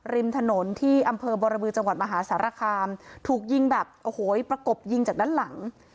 ริมถนนที่อำเภอบรบือจังหวัดมหาสารคามถูกยิงแบบโอ้โหประกบยิงจากด้านหลัง